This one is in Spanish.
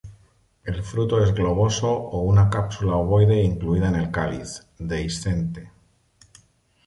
El fruto es globoso o una cápsula ovoide incluida en el cáliz, dehiscente.